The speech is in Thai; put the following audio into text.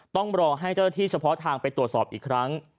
ต้องรอให้เจ้าที่เฉพาะทางไปตรวจสอบอีกครั้ง